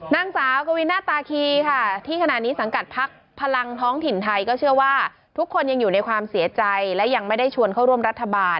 นางสาวกวินาตาคีค่ะที่ขณะนี้สังกัดพักพลังท้องถิ่นไทยก็เชื่อว่าทุกคนยังอยู่ในความเสียใจและยังไม่ได้ชวนเข้าร่วมรัฐบาล